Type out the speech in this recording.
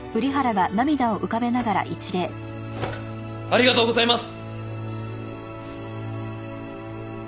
ありがとうございます！